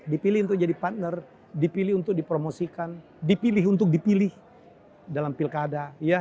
dipilih untuk jadi partner dipilih untuk dipromosikan dipilih untuk dipilih dalam pilkada